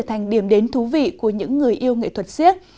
thành điểm đến thú vị của những người yêu nghệ thuật siếc